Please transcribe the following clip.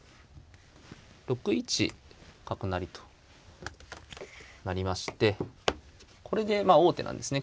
６一角成と成りましてこれでまあ王手なんですね。